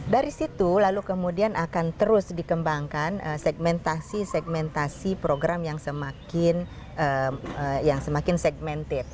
dari situ lalu kemudian akan terus dikembangkan segmentasi segmentasi program yang semakin segmented